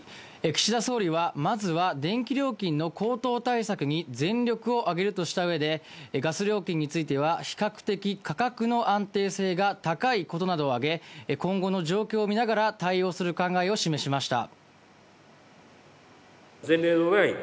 岸田総理はまずは電気料金の高騰対策に全力をあげるとした上で、ガス料金については比較的価格の安定性が高いことなどをあげ、今後の状況を見ながら対応する考えを示しました。